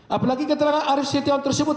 apalagi keterangan arief setiawan tersebut